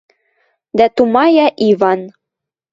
Дӓ тумая Иван: